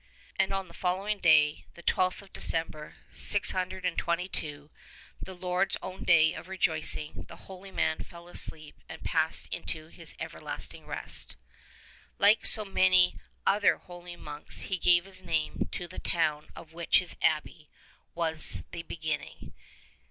'' And on the following day, the 12th of December, 622, the Lord's own day of rejoicing, the holy man fell asleep and passed into his everlasting rest. Like so many other holy monks he gave his name to the town of which his abbey was the beginning.